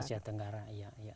di asia tenggara iya